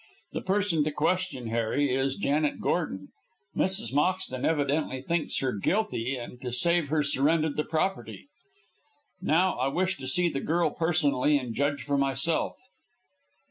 The person to question, Harry, is Janet Gordon. Mrs. Moxton evidently thinks her guilty, and to save her surrendered the property. Now, I wish to see the girl personally and judge for myself."